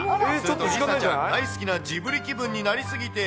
梨紗ちゃん、大好きなジブリ気分になり過ぎて。